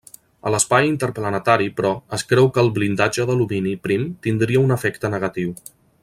A l'espai interplanetari, però, es creu que el blindatge d'alumini prim tindria un efecte negatiu.